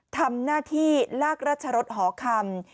ทำหน้าที่ลากราชรสหอคำ